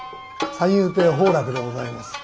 三遊亭鳳楽でございます。